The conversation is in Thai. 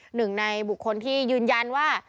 หนึ่งในบุคคลที่ยืนยันว่า